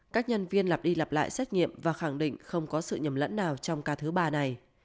các nhân viên lặp đi lặp lại xét nghiệm và khẳng định không có sự nhầm lẫn nào trong ca thứ ba này